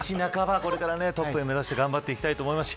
これからトップを目指して頑張っていきたいと思いますし。